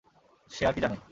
সে আর কি জানে?